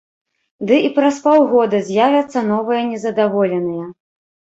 Ды і праз паўгода з'явяцца новыя незадаволеныя.